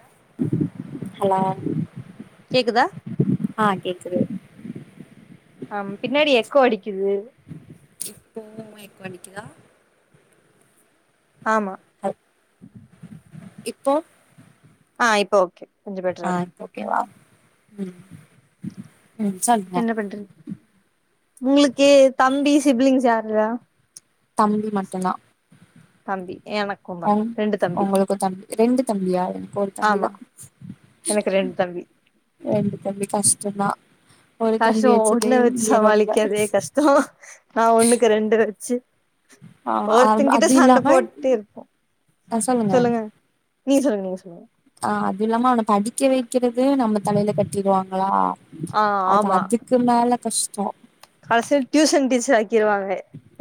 தா ஹலோ கேக்குதா ஆ கேக்குது அம் பின்னேடி எக்கோ அடிக்கிது இப்போவு எக்கோ அடிக்கிதா ஆமா போ ஆ இப்போ ஓகே கொஞ்சோ பெட்ரா ஆ இருக்கு இப்போக்கேவா ம் ம் சொல்ங்க உங்ளுக்கே தம்பி சிப்லிங்ஸ் யார்ரா தம்பி மட்டுந்தா தம்பி எனக்குந்தா ஒங் ரெண்டு தம்பி ஒங்குளுக்கு தம்பி ரெண்டு தம்பியா எனக் ஒரு தம்பி ஆமா தா எனக்கு ரெண் தம்பி சன்னா கஷோ ஒன்ன வெச் சமாளிக்கதே கஷ்டோ நா ஒன்னுக்கு ரெண்டு வெச்சு ஆ ஒர்த்தங்கிட்ட அது சண்ட இல்லாம போட்டே இருப்போ ஆ சொல்லுங்க நீக சொல்லுங் நீங்ஸ் அ அது‌ல்லாம அவன படிக்க வெக்கிறது நம்ம தலைல கட்டிருவாங்ளா அது அதுக்கு மேல கஷ் கலசிய ட்யூசன் டீச்சர் ஆக்கிருவாங்க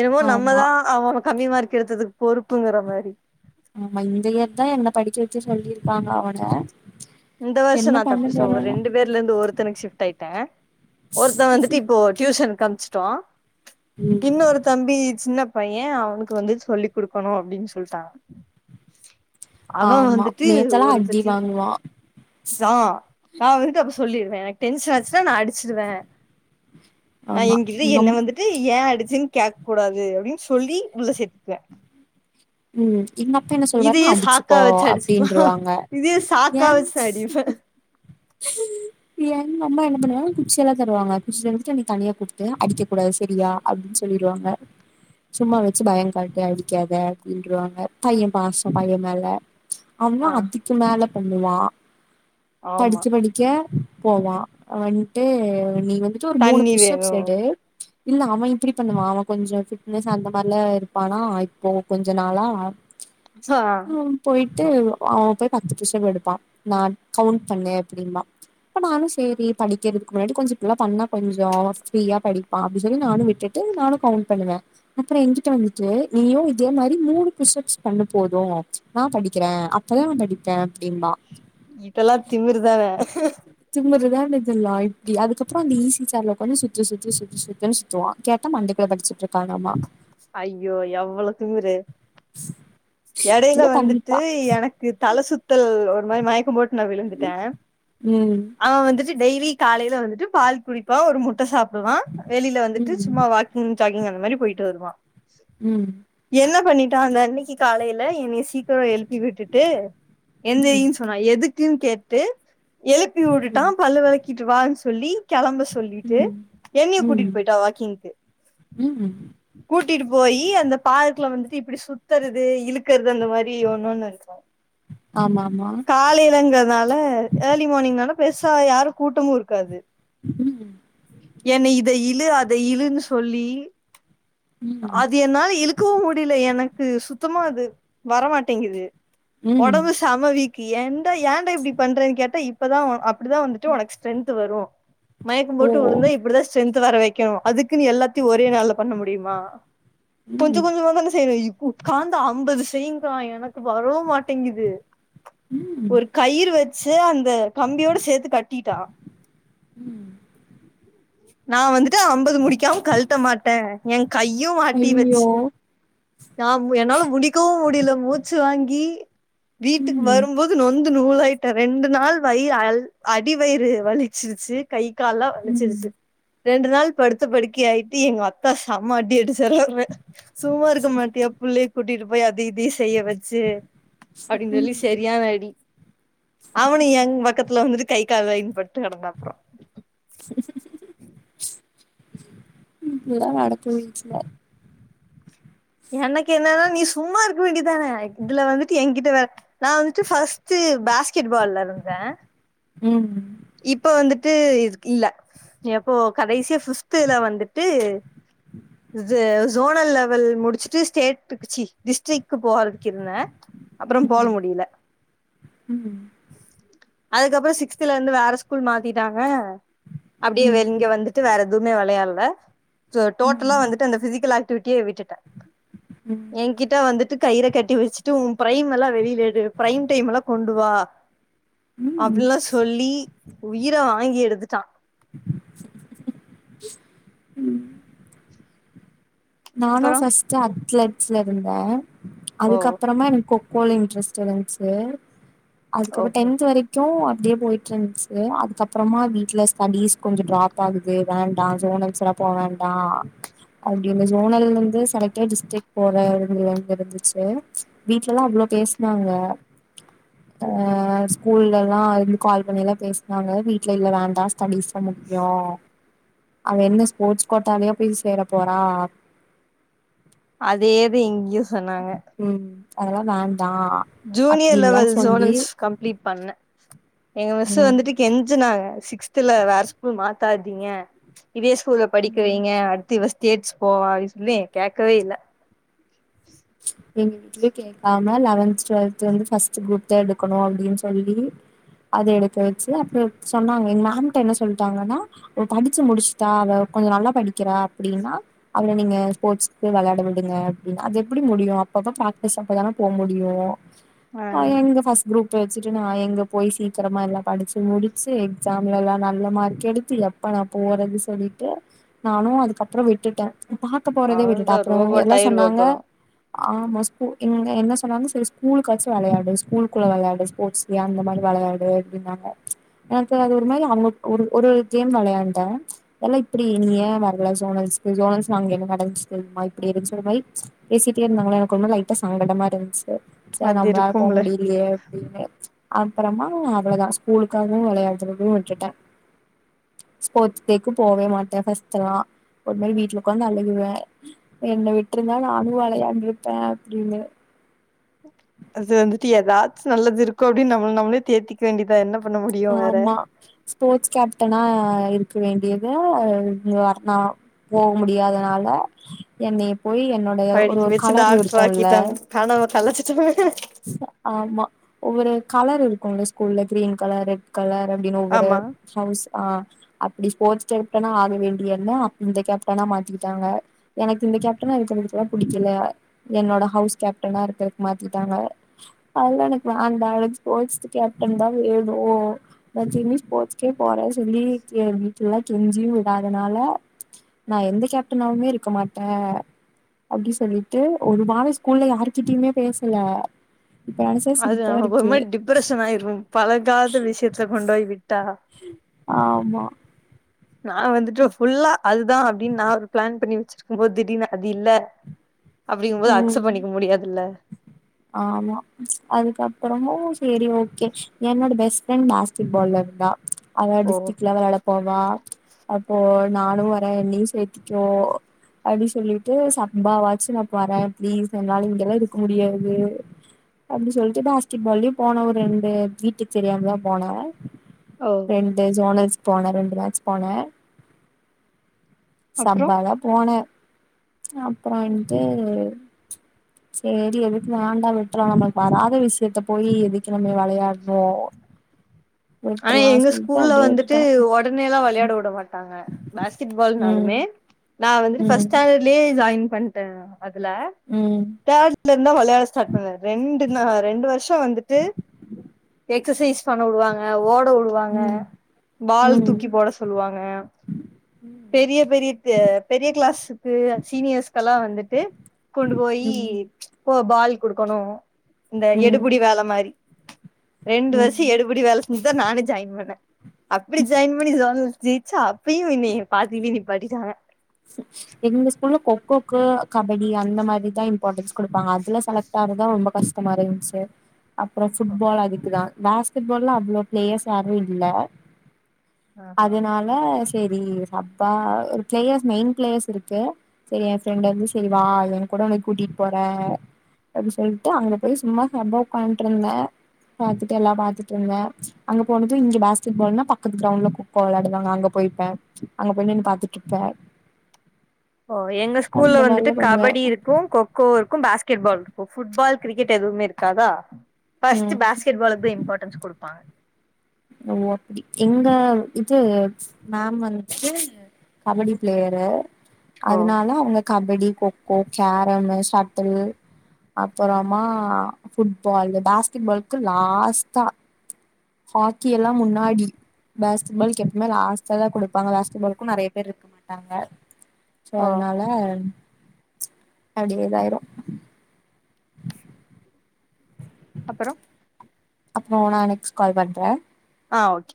எனமோ ஆமா நம்மதா அவோ கம்மி மார்க் எடுத்ததுக் பொறுப்புங்குற மாரி ஆமா இந்த இயர் தா என்ன படிக்க வச்ச சொல்லிருக்காங்க அவன இந்த வர்ஷ என்ன நா பண்ண தப்பிச்ச ஒரு போறானோ ரெண்டு பேர்ல இருந்து ஒருத்தனுக் ஷிவ்ட் ஆயிட்ட ஒருத்த வந்துட்டு இப்போ ட்யூஷன்க் அம்ஷ்ட்டோ ம் இன்னோரு தம்பி சின்னப் பைய அவுனுக்கு வந்து சொல்லி் குடுக்கணு அப்டின் சொல்ட்டாங்க அவ ஆமா வந்துட்டு நேத்தெல்லா ஒரு அடி தட்டி வாங்குவா சா நா வந்துட்டு அப்ப சொல்லிருவ எனக் டென்ஸ் ஆச்சினா நா அடிச்சிருவ நா ஆமா எங்கித என்ன எங்கம் வந்துட்டு ஏன் அடுச் சிங் கேக் கூடாது அப்டின் சொல்லி உள்ள சேத்க்வேன் ம் எங்க அப்பா என்ன சொல்லுவாருன்னா இதியே சாக்கா அடிச்சுக்கோ வச்சு அடிச்சிக்லா அப்டின்ருவாங்க இதியே சாக்கா ஏன் வச் தடிஃப எங்கம்மா என்ன பண்ணுவாங்க குச்சி எல்லா தருவங்க குச்சி தந்துட் என்னி தனியா கூப்டு அடிக்க கூடாது செரியா அப்டின் சொல் லீருவாங்க சும்மா வெச்சு பயங் காட்டு அடிக்காத அப்டின்றுவாங்க பையன் பாசும் பைய மேல அவ ஆ அதுக்கு மேல பண்ணுவா ஆமா படிச்சு படிக்க போவா வன்ட்டு நீ வந்துட்டு ஒரு மூணு தண்ணி புஷ்ஷப்ஸ் வேணு எடு இல்ல அவ இப்டி பண்ணுவா அவ கொஞ்ச ஃபிட்னஸ் அந்த மாரிலா இருப்பானா இப்போ கொஞ்ச நாளா சா ட்டு அவ போய் பத்து புஸ்ஸப் எடுப்பா நா கவுண்ட் பண்ணு அப்டிம்பா இப்ப நானு செரி படிக்கிறக்கு முன்னாடி கொஞ்ச இப்பல்லா பண்ணா கொஞ்ச ஃப்ரீயா படிப்பா அப்டி சொல்லி நானு விட்டுட் நானு கவுண்ட் பண்ணுவே அப்ற எங்கிட்ட வந்துட்டு நீயும் இதே மாரி மூணு புஷ்ஸப்ஸ் பண்ணு போது ச் நா படிக்கிற அப்பதா படிப்பே அப்டிம்பா இதுல்லா திமிருதான திமிருதான இதல்லா இப்டி அதுக்கப்பற அந்த ஈசி சேர்ல உக்காந்து சுத்து சுத்து சுத்து சுத்துனு சுத்துவா கேட்டா மண்டக் படிச்சிட்டு இருக்காணாமா ஐயோ எவ்ள திமிரு எடயில இதெல்லா வந்துட்டு பண்ணிப்பா எனக்கு தல சுத் சுத்தல் ஒரு மாரி மயக்க போட்டு நா விழுந்துட்ட ம் அவ வந்துட்டு டெய்லி காலையில வந்துட்டு பால் குடிப்பா ஒரு முட்ட சாப்டுவா வெளியில வந்துட்டு சும்மா ம் வாக்கிங் ஷாக்கிங் அந்த மாரி போயிட்டு வருவா ம் என்ன பண்ணிட் டா அந்த அன்னிக்கி காலையில என்னய சீக்கிர எழுப்பி விட்டுட்டு ம் எந்திறின் சொன்னா எதுக் குன் கேட்டு எழுப்பி வுட்டுட்டா ம் பல்லு வெளக்கிட்டு வானு சொல்லி கெளம்ப சொல்லிட்டு ம் என்னய ம் கூட்டிட்டு போயிட்டா வாக்கிங்க்கு ம் கூட்டிட்டு போய் அந்த பார்க்ல வந்துட்டு இப்படி சுத்தறது இழுக்ற து அந்த மாரி ஒண்னொன்னு இருக்கு ஆமாமா. காலேலங்கறதுனால ஏர்லி மார்னிங்னால பெருசா யாரு கூட் டமு இருக்காது ம், என்ன இத இழு அத இழுன்னு சொல்லி ம், அது என்னால இழுக்கவு முடியல எனக் சுத்தமா அது வரமாட்டேங்குது ம். ஒடம்பு செமவீக்கு என் ஏன் டா இப்படி பண்றனு கேட்டா இப்பதா அப்டிதா வந்துட்டு வொனக்கு ஸ்டென்த் வரு மயக்கம் ஓ! போட்டு வுழுந்தா இப்டிதா ஸ்டென்த் வர வைக்கனு அதுக்குன்னு எல்லாத்தையு ஒரே நாள்ல பண்ண முடியுமா கொஞ்ச ம், கொஞ்சமா தான செய்யனு இப்ப உக்காந்து அம்பது செய்ங்கா எனக்கு வரவு மாட்டேங்குது ம். ஒரு கயிறு வச்சு அந் த கம்பியோட சேத்து கட்டிட்டா ம் நா வந்துட்டு அம்பது முடிக்காம கழட்ட மாட்ட எ கையு மாட்டி ஐயய்யோ! வச்சு நா என்னால முடிக்கவு முடியல மூச்சு வாங்கி வீட்டுக்கு ம், வரும்போது நொந் நொந்து நூலாயிட ரெண்டு நாள் வயி அல் அடி வயிறு வலிச்சிருச்சு கை கால்லா ம். வலிச்சிருச்சு ரெண்டு நாள் படுத்த படுக்கை ஆயிட்டு எங்க அக்கா செம அடி அடுச் [unintelligible] சும்மா இருக்க மாட்டியா புள்ளய கூட்டிட்டு போய் அது இது செய்ய வச்சு அப்டின் சொல்லி செரியான அடி அவனு எங் பக்கத்துல வந்துட்டு கை கால் அடிப்பட்டு கெடந்தா அப்புற எல்லா நடக்கு வீட்ல எனக்கு என்னன்னா நீ சும்மா இருக்க வேண்டிதான இதுல வந்துட்டு என்கிட்ட வேற நா வந்துட்டு ஃபஸ்ட் டு பேஸ்கெட் பால்ல இருந்த ம் இப்ப வந்துட்டு இது இல்ல எப்போ கடைசிய ஃபிப்த்துல வந்துட்டு சோனல் லெவல் முடிச்சுட்டு ஸ்டேட்டுக்கு சி டிஸ்ட்டிக்கு போறதுக்கு இருந்த அப்புறம் போக ம், முடியல ம், ம், அதுக்கபற சிக்ஸ்துல இருந் து வந்து வேற ஸ்கூல் மாத்திட்டாங்க அப்டியே ம், இங்க வந்துட்டு வேற எதுவுமே விளையால டோட்டலா ம், வந்துட்டு அந்த பிசிக்கல் ஆக்டிவிட்டியே விட்டுட்ட ம், என்கிட்ட வந்துட்டு கயிற கட்டி வச்சுட்டு உன் பிரைம் எல்லா வெளியில எடு பிரைம் டைம் எல்லா கொண்டுவா ம். அப்டில்லா சொல்லி உயிர வாங்கி எடுத்துட்டான் ம் நானும் அப்பறோ ஃபஸ்ட் அத்லெட்ஸ்ல இருந்தே ஓ அதுக்கப்புறமா எனக்கு கொக்கோல இன்ரெஸ்ட் டு இருச்சே அதுக்கப்புறம் ஓஹோ டென்த் வரைக்கோ அப்டியே போயிட்டு இருந்துச்சி அதுக்கப்புறமா வீட்டுல ஸ்டடிஸ் கொஞ்சோ ட்ராப் ஆகுது வேண்டா ஜோனல்ஸ் ல போ வேண்டா அ அப்டினு ஜோனல்ல இருந்து செலக்ட் ஆயி டிஸ்ட்ரிக் போற அளவுல இருந்துச்சு வீட்லல்லா அவ்ளோ பேசுனாங்க ஆ ஆ ஸ்கூல்லல்லா இருந்து கால் பண்ணிலா பேசுனாங்க வீட்ல இல்ல வேண்டா ஸ்டடிஸ் தா முக்கியோ அவ என்ன ஸ்போர்ட்ஸ் கோட்டாலயா போய் சேர போறா அதேதா இங்கயு சொன்னாங்க ம் அதெல்லா வேண்டா ஜூனியர் அப்டில்லா லெவல் சொல்லி ஜோனல்ஸ் கம்ப்ளீட் பண்ணே எங்க மிஸ் ம் வந்துட்டு கெஞ்சுனாங்க சிக்ஸ்த்துல வேற ஸ்கூல் மாத்தாதீங்க இதே ஸ்கூல்ல ம் படிக்கவைங்க அடுத்து இவ ஸ்டேட்ஸ் போவா அப்டின்னு சொல்லி கேட்கவே இல்ல எங்க வீட்டுலயே கேக்காம லெவன்த் டுவெல்த் வந்து ஃபர்ஸ்ட் குரூப் தா எடுக்கணு அப்டின்னு சொல்லி அது எடுக்க வெச்சி அப்புறம் சொன்னாங்க எங்க மேம்கிட்ட என்ன சொல்ட்டாங்கன்னா அவ படிச்சி முடிச்சுட்டா அவ கொஞ்சோ நல்லா படிக்கிறா அப்டின்னா அவல நீங்க ஸ்போர்ட்ஸ்க்கு விளையாட விடுங்க அப்டின்னு அது எப் ப்டி முடியு அப்பப்ப பிராக்டிஸ் அப்பதானே போ முடியு ஆ எங்க ஃபர்ஸ்ட் குரூப் ப வெச்சுட்டு நா எங்க போய் சீக்கிரமா எல்லா படிச்சு முடிச்சு எக்ஸாம்லல்லா நல்ல மார்க் எடுத்து எப்பா நான் போறது சொல்லிட்டு நானு அதுக்கப்பறோ விட்டுட்டே பாக்க போறதே விட்டுட்டே அவ்ளதா அப்புற ரோபோட் எல்லா ஆயிருவா சொன்னாங்க அப்பறோ ஆமா ஸ்கூ இங்க என்ன சொன்னாங்க சேரி ஸ்கூலுக்காச்சு விளையாடு ஸ்கூல் குள்ள விளையாடு ஸ்போர்ட்ஸ்டே அந்த மாரி வந்து விளையாடு அப்டின்னாங்க எனக்கு அது ஒரு மாரி அவங்க ஒரு ஒரு கேம் விளையாண்ட எல் நா இப்டி நீ ஏ வரல ஜோனல்ஸ்க்கு ஜோனல்ஸ் அங்க என்ன நடந்துச்சி தெரியுமா இப்பிடி இருந்துச்சி ஒரு மாரி பேசிட்டே இருந்தாங்களா எனக்கு ஒரு மாரி லைட்டா சங்கடமா இருந்துச்சி ச்சே அது நம்மளா போக இருக்கும்ல முடியலையே அப்டின்னு அப்பறமா அவ்ளதா ஸ்கூலுக்காகவு விளையாட்றது விட்டுட்டே ஸ்போர்ட்ஸ் டேக்கு போவே மாட்டே. ஃபர்ஸ்ட்டெல்லா ஒரு மாரி வீட்டுல ஒக்காந்து அழுகுவே என்ன விட்டிருந்தா நானு விளையாண்டுடிருப்பே அப்டின்னு அது வந்துட்டு ஏதாச்சி நல்லது இருக்கோ அப்டின்னு நம்ம நம்ளே தேத்திக்க வேண்டி இத என்ன பண்ண முடியு வேற ஆமா ஸ்போர்ட்ஸ் கேப்டனா இருக்க வேண்டியத இ வர்ணா போ முடியாதனால ல என்னைய போய் என்னோடைய ஒரு படிக்க ஒரு வச்சு கலர் டாக்டர் இருக்கோல்ல ஆக்கிட்டாங்க கனவ கலச்சிட்டாங்க ஆமா ஒவ்வொரு கலர் இருக்குல ஸ்கூல்ல கிரீன் கலர் ரெட் கலர் அப்டின்னு ஒவ்வொரு ஆமா ஹவுஸ் ஆ அப்டி ஸ்போர்ட்ஸ் கேப்டனா ஆக வேண்டிய என்ன அப் அந்த கேப்டனா மாத்தி விட்டாங்க எனக்கு அந்த கேப்டனா இருக்கறதுக்கெல்லா பிடிக்கல என்னோட ஹவுஸ் கேப்டனா இருக்கறக்கு மாத்திட்டாங்க அதெல்லா எனக்கு வேண்டா எனக்கு ஸ்போர்ட்ஸ் கேப்டன் தா வேணு நா திரும்பி ஸ்போட்ஸ்கே போறே சொல்லி ஏ வீட்டு எல்லா கெஞ்சியு விடாதனால நா எந்த கேப்டனாவுமே இருக்க மாட்டே அப்டி சொல்லிட்டு ஒரு வரோ ஸ்கூல்ல யார்கிட்டயுமே பேசல இப்ப நெனச்சா அது சிரிப்பா நமக்கு ஒரு இருக்கு மாரி டிப்ரெஷன் ஆயிரு பழகாத விஷயத்துல கொண்டு போய் விட்டா ஆமா நா வந்துட்டு ஃபுல்லா அதுதா அப்டின்னு நா ஒரு பிளான் பண்ணி வெச்சிருக்கும்போது திடீர்னு அது இல்ல அப்டிங்கும்போது அக்செப்ட் ம் பண்ணிக்க முடியாதுல்ல ஆமா அதுக்கப்பறமு சேரி ஓகே என்னோட பெஸ்ட் ஃரெண்ட் பாஸ்கெட்பால்ல இருந்தா அவ ஓ டிஸ்ட்ரிக் லெவல் விளையாட போவா அப்போ நானு வரே என்னையு சேத்திக்கோ அப்டின்னு சொல்லிட்டு சம்பாவாச்சி நா வறேன் பிளீஸ் என்னால இங்கெல்லா இருக்க முடியாது அப்டி சொல்ட்டு பேஸ்கெட்பால்லயு போன ஒரு ரெண்டு வீட்டுக்கு தெரியாமதா போனே ஓ ரெண்டு ஜோனல்ஸ் போனே ரெண்டு மேட்ச் போனே அப்றோ சப்பாதா போனே அப்றோ என் சேரி எதுக்கு வேண்டா விட்றலா நமக்கு வராத விஷ்யத்த போயி எதுக் கு நம்ம வெளையாட்னோ ஆனா எங்க ஸ்கூல்ல வந்துட்டு ஒடனேலா வெளையாடவுட மாட்டாங்க பேஸ்கெட்பால் நால் ம் மே நா வந்துட்டு ஃபஸ்ட் ம் ஸ்டாண்டர்ட்லே ஜாயின் பண்ட்டே அதுல ம் தேர்ட்லருந்து தா வெளையாட ஸ்டார்ட் பண்ணே ரெண்டு நா ரெண்டு வர்ஷ வந்துட்டு எக்ஸசைஸ் பண்ண வுடுவாங்க ஓட வுடுவாங்க ம் பால் ம் தூக்கி போட சொல்லுவாங்க பெரிய பெரிய கு பெரிய கிளாஸுக்கு அ சீனியர்ஸ்க்கெல்லா வந்துட் டு கொண்டு போயி ம் போ பால் குடுக்கணு இந்த ம் எடுபுடி வேல மாரி ரெண்டு வர்ஷ ம் எடுபுடி வேல செஞ்சுதா நானே ஜாயின் பண்ணே அப்பிடி ஜாயின் பண்ணி ஜோனல்ஸ ஜெய்ச்சா அப்பயு என்னய பாதிலே நிப்பாட்டிட்டாங்க எங்க ஸ்கூல்ல கொக்கோக்கு கபடி அந்த மாரிதா இம் பார்ட்டன்ஸ் குடுப்பாங்க அதுல செலக்ட் ஆறதா ரொம்ப கஷ்டமா இருந்துச்சு அப்ற ஃபுட்பால் அதுக்குதா பேஸ்கெட்பால்லா அவ்ளோ பிளேயர்ஸ் யாரு இல்ல ஆஹா அதனால சேரி சப்பா ஒரு பிளேயர் மெயின் பிளேயர்ஸ் இருக்கு சேரி எ ஃப்ரெண்டு வந்து சேரி வா எங்க்கூட உன்னய கூட்டிட்டு போறே அப்டி சொல்ட்டு அங்க போய் சும்மா சப்பா ஒக்கான்ட்ருந்தே பாத்துட்டு எல்லா பாத்துட்ருந்தே அங்க போனது இங்க பேஸ்கெட் பால்னா பக்கத்து கிரவ்ண்ட்ல கொக்கோ வெளாடுவாங்க அங்க போய் போய் பாத் அங்க போய் நின்னு பாத்துட்ருப்பே ஓ எங்க ஸ்கூல்ல அந்த வந்துட்டு மாரிலா பண்ணுவே கபடி இருக்கு கொக்கோவு இருக்கு பாஸ்கெட் பால் ஓ ஃபுட்பால் கிரிக்கெட் எதுவுமே இருக்காதா ஃபஸ்ட்டு ம் பேஸ்கெட் பால்க்கு தா இம்பார்ட்டன்ஸ் குடுப் பா ஓ அப்டி எங்க இது மேம் வந் கபடி பிளேயரு ஓ அதுனால அவுங்க கபடி கொக்கோ கேரமு ஷட்டிளு அப்பறமா ஃபுட்பால் இந்த பேஸ்கெட் பால்க்கு லாஸ்ட்டா ஹாக்கியெல்லா முன்னாடி பேஸ்கெட் பால்க்கு எப்போமே லாஸ்டாதா குடுப்பாங்க பேஸ்கெட் பால்க்கு நெறைய பேர் இருக்க மாட்டாங்க சோ ஆ அதுனால அப்டியே இதாயிரு அப்பறோ அப்றோ நா நெக்ஸ்ட் கால் பண்றே ஆ ஓகே